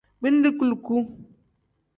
Bindi kuluku.